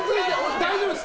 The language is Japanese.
大丈夫です。